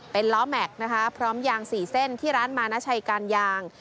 เป็นล้อแม็กซ์นะคะพร้อมยาง๔เส้นที่ร้านมานาชัยการยาง